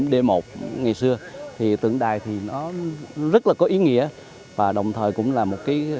d một ngày xưa thì tượng đài thì nó rất là có ý nghĩa và đồng thời cũng là một cái